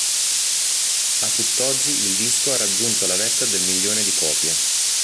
A tutt'oggi il disco ha raggiunto la vetta del milione di copie.